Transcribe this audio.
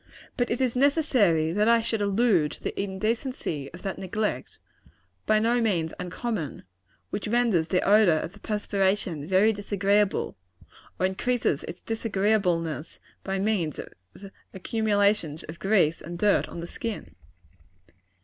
But it is necessary that I should allude to the indecency of that neglect by no means uncommon which renders the odor of the perspiration very disagreeable, or increases its disagreeableness by means of accumulations of grease and dirt on the skin.